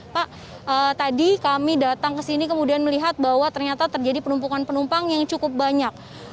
pak tadi kami datang ke sini kemudian melihat bahwa ternyata terjadi penumpukan penumpang yang cukup banyak